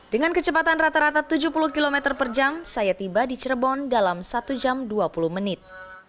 dengan kecepatan rata rata tujuh puluh km per jam saya tiba di cirebon dalam satu jam dua puluh menit